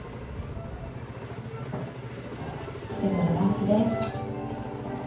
季節のランチです。